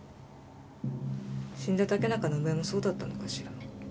死んだ竹中伸枝もそうだったのかしら。